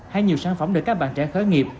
hay nhiều sản phẩm để các bạn trẻ khởi nghiệp